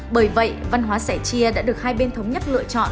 bởi vậy văn hóa sẻ chia đã được hai bên thống nhất lựa chọn